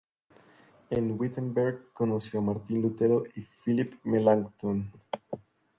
En Wittenberg conoció a Martin Lutero y Philipp Melanchthon.